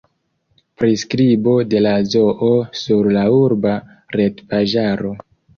Priskribo de la zoo sur la urba retpaĝaro.